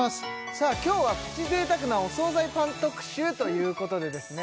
さあ今日はプチ贅沢なお惣菜パン特集ということでですね